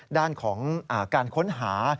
ด้านของการค้นหา